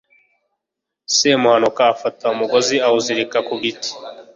semuhanuka afata umugozi, awuzirika ku giti